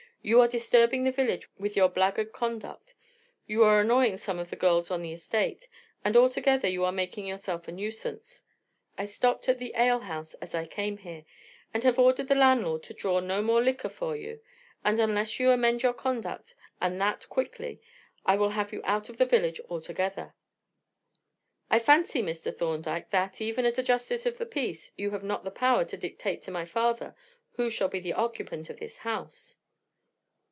You are disturbing the village with your blackguard conduct; you are annoying some of the girls on the estate, and altogether you are making yourself a nuisance. I stopped at the alehouse as I came here, and have ordered the landlord to draw no more liquor for you, and unless you amend your conduct, and that quickly, I will have you out of the village altogether." "I fancy, Mr. Thorndyke, that, even as a justice of the peace, you have not the power to dictate to my father who shall be the occupant of this house."